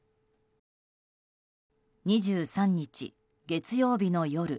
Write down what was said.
２３日、月曜日の夜